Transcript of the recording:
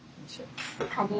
カレー。